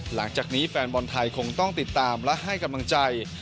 หลังจากนี้แฟนบอลไทยคงต้องติดตามและให้กำลังใจ